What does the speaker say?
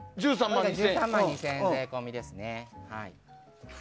１３万２０００円税込みですね。